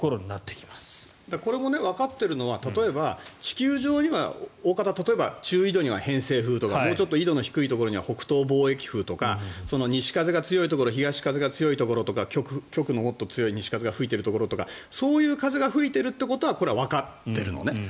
これもわかっているのは例えば、地球上には大方例えば中緯度には偏西風とかもうちょっと緯度の低いところには北東貿易風とか西風が強いところ東風が強いところとか極のもっと強い西風が吹いてるところとかそういう風が吹いてるのはこれはわかってるのね。